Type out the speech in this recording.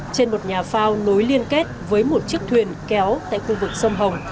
trên một nhà phao nối liên kết với một chiếc thuyền kéo tại khu vực sông hồng